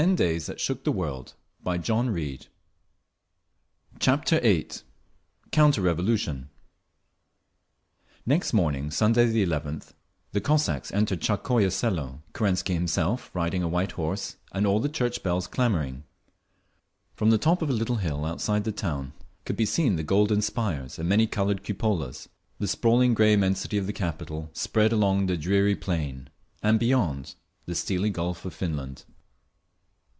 Counter revolution had begun… Chapter VIII Counter Revolution Next morning, Sunday the 11th, the Cossacks entered Tsarskoye Selo, Kerensky (See App. VIII, Sect. 1) himself riding a white horse and all the church bells clamouring. From the top of a little hill outside the town could be seen the golden spires and many coloured cupolas, the sprawling grey immensity of the capital spread along the dreary plain, and beyond, the steely Gulf of Finland.